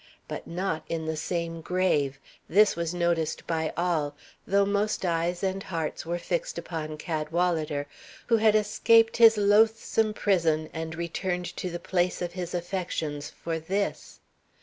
But not in the same grave: this was noticed by all, though most eyes and hearts were fixed upon Cadwalader, who had escaped his loathsome prison and returned to the place of his affections for this.